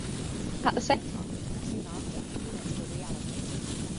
At the same time, or soon after, units were reallocated.